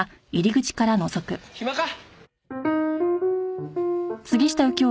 暇か？